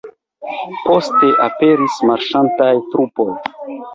Poste aperis marŝantaj trupoj.